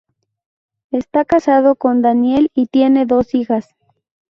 Está casado con Danielle y tiene dos hijas.